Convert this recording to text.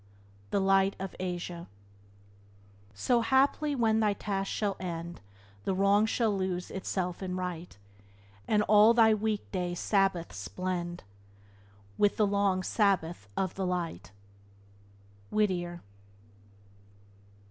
— The Light of Asia. "So, haply, when thy task shall end, The wrong shall lose itself in right, And all thy week day Sabbaths blend With the long Sabbath of the Light!" — Whittier.